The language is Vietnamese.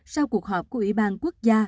sau cuộc họp của ủy ban quốc gia